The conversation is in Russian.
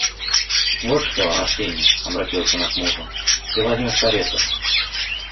Вот что, Арсений, — обратилась она к мужу, — ты возьмешь карету...